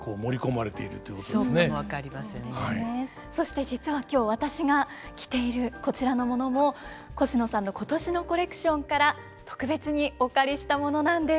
そして実は今日私が着ているこちらのものもコシノさんの今年のコレクションから特別にお借りしたものなんです。